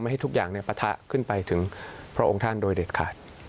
ให้ทุกอย่างปะทะขึ้นไปถึงพระองค์ท่านโดยเด็ดขาด